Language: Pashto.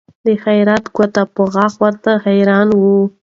د حیرت ګوته په غاښ ورته حیران وه